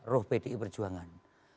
roh pdi perjuangan